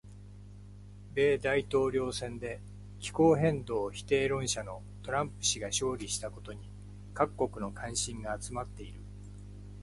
米大統領選で気候変動否定論者のトランプ氏が勝利したことに各国の関心が集まっている。